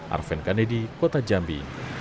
arven kandedi kota jambi